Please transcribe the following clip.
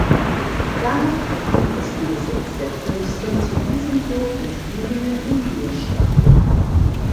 Danach verblieb es im Besitz der Fürsten zu Isenburg und Büdingen in Birstein.